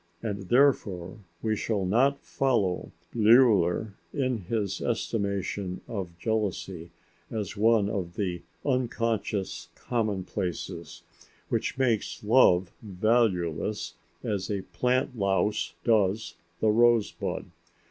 And therefore we shall not follow Bleuler in his estimation of jealousy as one of the "unconscious commonplaces" which makes love valueless as "the plant louse does the rose bud."